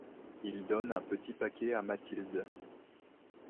Il donne un petit paquet à Mathilde.